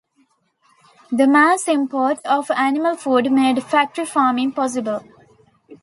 The mass import of animal food made factory farming possible.